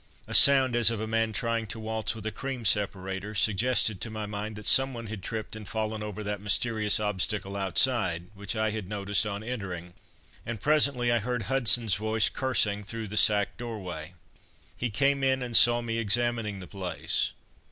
A sound as of a man trying to waltz with a cream separator, suggested to my mind that someone had tripped and fallen over that mysterious obstacle outside, which I had noticed on entering, and presently I heard Hudson's voice cursing through the sack doorway. He came in and saw me examining the place.